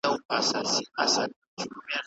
هېوادونه له پخوا څخه د پرمختيا لپاره هلي ځلي کوي.